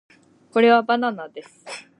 これはバナナです